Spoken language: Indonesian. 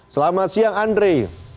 selamat siang andre